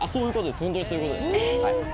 ホントにそういうことです。